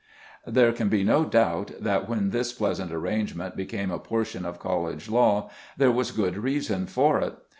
There can be no doubt that when this pleasant arrangement became a portion of college law there was good reason for it.